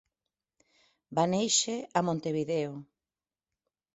Va néixer a Montevideo.